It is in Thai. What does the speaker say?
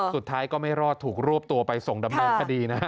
สุดท้ายก็ไม่รอดถูกรวบตัวไปส่งดำเนินคดีนะฮะ